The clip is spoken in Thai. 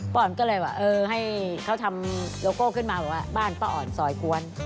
อ่อนก็เลยว่าเออให้เขาทำโลโก้ขึ้นมาบอกว่าบ้านป้าอ่อนซอยกวน